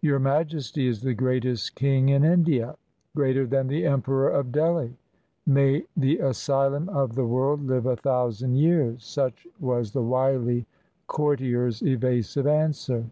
"Your Majesty is the greatest king in India — greater than the Emperor of Delhi. May the asylum of 196 THE AMUSEMENTS OF AN EASTERN KING the world live a thousand years!" Such was the wily courtier's evasive answer.